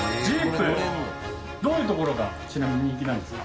どういうところがちなみに人気なんですか？